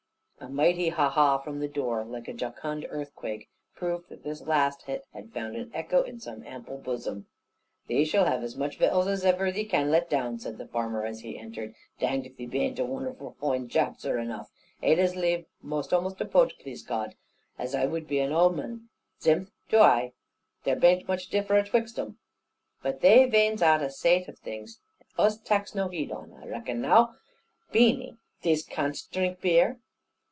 A mighty "ha ha" from the door, like a jocund earthquake, proved that this last hit had found an echo in some ample bosom. "Thee shall have as much vittels as ever thee can let down," said the farmer, as he entered, "danged if thee bain't a wunnerful foine chap, zure enough. Ai'd as lieve a'most to be a pote, plase God, as I wud to be a ooman: zimth to ai, there bain't much differ atwixt 'em. But they vainds out a saight of things us taks no heed on. I reckon now, Beany, thee cas'n drink beer?"